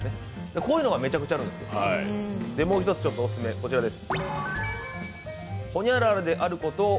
こういうのがめちゃくちゃあるんですもう一つ、こちらです。